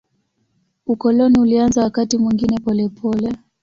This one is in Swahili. Ukoloni ulianza wakati mwingine polepole.